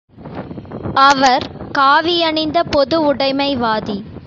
அவர், காவியணிந்த பொதுவுடைமைவாதி.